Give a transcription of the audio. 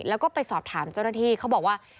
แล้วก็ไปสอบถามเจ้าหน้าที่เขาบอกว่า